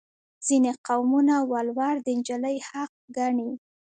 ځینې قومونه ولور د نجلۍ حق ګڼي.